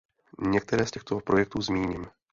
Některé z těchto projektů zmíním.